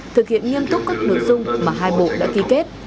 thực hiện nghiêm túc các nội dung mà hai bộ đã ký kết